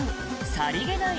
さりげない